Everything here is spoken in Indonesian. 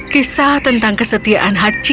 kisah tentang kesetiaan hachi